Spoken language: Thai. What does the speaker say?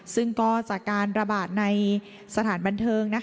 ซึ่งก็จากการระบาดในสถานบันเทิง